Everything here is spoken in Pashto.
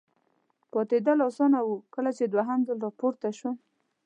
پاتېدل اسانه و، کله چې دوهم ځل را پورته شوم.